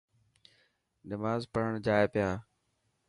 نماز پڙهڻ جائي پيا.